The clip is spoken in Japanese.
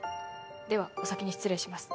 ではお先に失礼します。